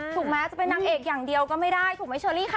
แม้จะเป็นนางเอกอย่างเดียวก็ไม่ได้ถูกไหมเชอรี่ค่ะ